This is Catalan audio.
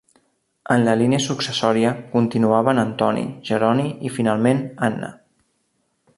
En la línia successòria, continuaven Antoni, Jeroni i finalment, Anna.